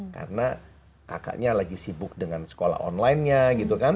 karena akaknya lagi sibuk dengan sekolah onlinenya gitu kan